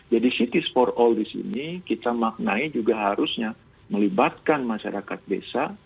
jadi cities for all di sini kita maknai juga harusnya melibatkan masyarakat desa